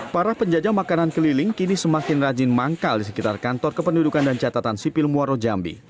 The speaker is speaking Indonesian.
para penjajah makanan keliling kini semakin rajin manggal di sekitar kantor kependudukan dan catatan sipil muaro jambi